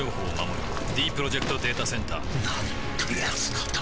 ディープロジェクト・データセンターなんてやつなんだ